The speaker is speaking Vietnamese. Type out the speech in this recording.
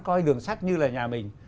coi đường sắt như là nhà mình